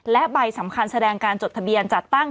และใบสำคัญแสดงการจดทะเบียนจัดตั้ง